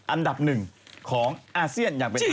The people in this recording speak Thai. อันดับ๑ของอาเซียนอย่างเป็นอันการ